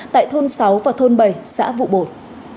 tại thôn sáu và thôn bảy xã vụ bồn